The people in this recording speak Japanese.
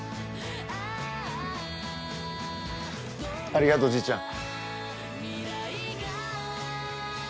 ありがとうじいちゃん。